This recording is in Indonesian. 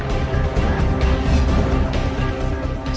pemudik di pulau raas